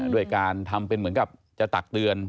ด้วยการทำเป็นเหมือนกับจะตักเตือน